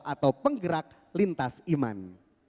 atau penggerak lintas iman